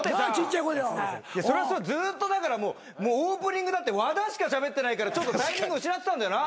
ずっとだからもうオープニングだって和田しかしゃべってないからタイミング失ってたんだよな？